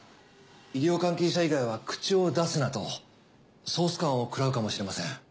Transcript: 医療関係者以外は口を出すなと総スカンを食らうかもしれません。